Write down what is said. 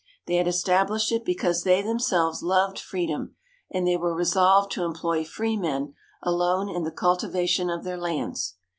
They had established it because they themselves loved freedom, and they were resolved to employ free men alone in the cultivation of their lands.